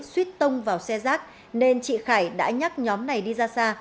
suýt tông vào xe rác nên chị khải đã nhắc nhóm này đi ra xa